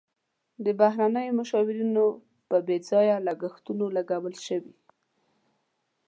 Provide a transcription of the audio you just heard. د بهرنیو مشاورینو په بې ځایه لګښتونو لګول شوي.